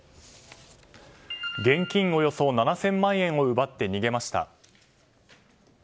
現金およそ７０００万円を奪って逃げました。